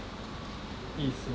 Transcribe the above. いいっすね。